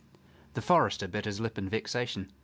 The forester bit his lip in vexation.